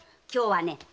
今日はね